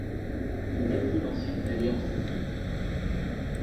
Il décide ensuite d'aller en Sicile.